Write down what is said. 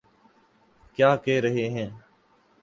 کیا کہہ رہی ہیں۔